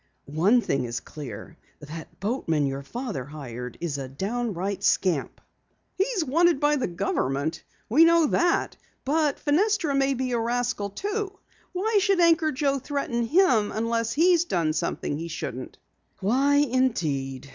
"One thing is clear. That boatman your father hired is a downright scamp." "He's wanted by the government. We know that. But Fenestra may be a rascal, too. Why should Anchor Joe threaten him unless he's done something he shouldn't?" "Why indeed?